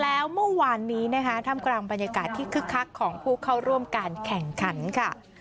แล้วเมื่อวานนี้นะคะท่ามกลางบรรยากาศที่คึกคักของผู้เข้าร่วมการแข่งขันค่ะ